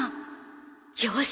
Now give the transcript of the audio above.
よし。